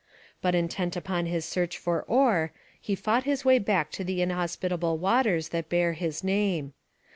But, intent upon his search for ore, he fought his way back to the inhospitable waters that bear his name.